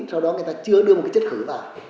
sau đó người ta chứa đưa một cái chất khử vào